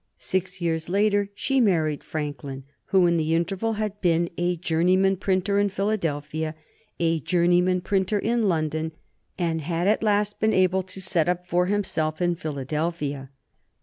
Six years later she married Franklin, who in the interval had been a journeyman printer in Philadelphia, a journeyman printer in London, and had at last been able to set up for himself in Philadelphia.